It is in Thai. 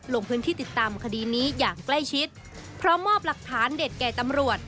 ลงพื้นที่ติดตามคดีนี้อย่างใกล้ชิดพร้อมมอบหลักฐานเด็ดแก่ตำรวจ